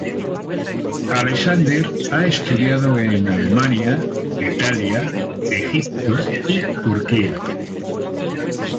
Alexander ha estudiado en Alemania, Italia, Egipto y Turquía.